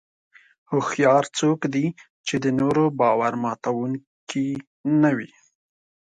هوښیار څوک دی چې د نورو باور ماتوونکي نه وي.